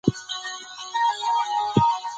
زه هڅه کوم، چي رښتینی واوسم.